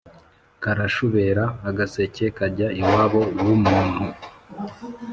karashubera-agaseke kajya iwabo w'umuntu.